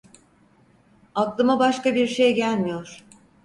Aklıma başka bir şey gelmiyor.